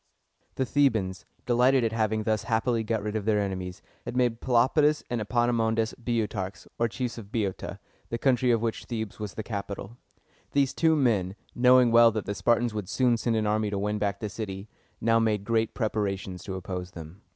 The Thebans, delighted at having thus happily got rid of their enemies, had made Pelopidas and Epaminondas Boe´o tarchs, or chiefs of Boeotia, the country of which Thebes was the capital. These two men, knowing well that the Spartans would soon send an army to win back the city, now made great preparations to oppose them.